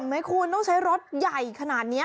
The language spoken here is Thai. ไหมคุณต้องใช้รถใหญ่ขนาดนี้